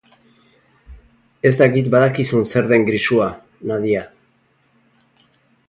Ez dakit badakizun zer den grisua, Nadia.